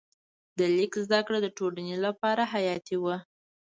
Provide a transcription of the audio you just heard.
د لیک زده کړه د ټولنې لپاره حیاتي وه.